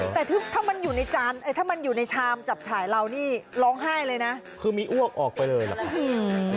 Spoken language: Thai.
แต่ถ้ามันอยู่ในจานถ้ามันอยู่ในชามจับฉายเรานี่ร้องไห้เลยนะคือมีอ้วกออกไปเลยเหรอ